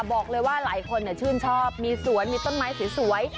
บอกเลยว่าหลายคนชื่นชอบมีสวนมีต้นไม้สวย